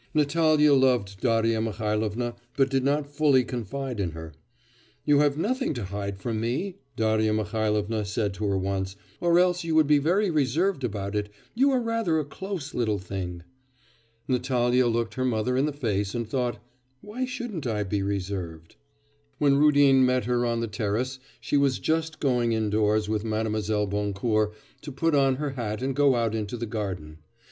Natalya loved Darya Mihailovna, but did not fully confide in her. 'You have nothing to hide from me,' Darya Mihailovna said to her once, 'or else you would be very reserved about it; you are rather a close little thing.' Natalya looked her mother in the face and thought, 'Why shouldn't I be reserved?' When Rudin met her on the terrace she was just going indoors with Mlle. Boncourt to put on her hat and go out into the garden.